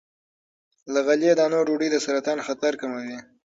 له غلې- دانو ډوډۍ د سرطان خطر کموي.